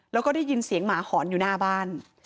แล้วก็ได้ยินเสียงหมาหอนอยู่หน้าบ้าน